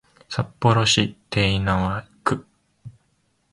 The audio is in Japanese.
札幌市手稲区